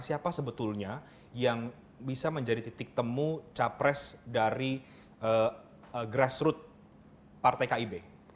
siapa sebetulnya yang bisa menjadi titik temu capres dari grassroot partai kib